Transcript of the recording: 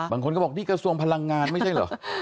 บางคนก็บอกนี่กระทรวงพลังงานไม่ใช่เหรอ